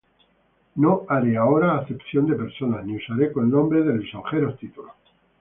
No haré ahora acepción de personas, Ni usaré con hombre de lisonjeros títulos.